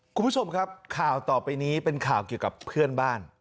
คุณผู้ชมครับข่าวต่อไปนี้เป็นข่าวเกี่ยวกับเพื่อนบ้าน